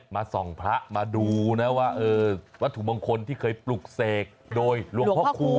มาส่องพระมาดูนะว่าวัตถุมงคลที่เคยปลุกเสกโดยหลวงพ่อคูณ